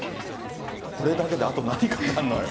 これだけであと何語るのよ。